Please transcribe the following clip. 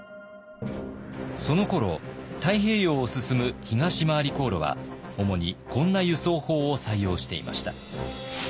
そのころ太平洋を進む東廻り航路は主にこんな輸送法を採用していました。